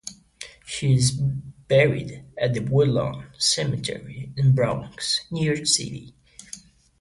She is buried at the Woodlawn Cemetery in The Bronx, New York City.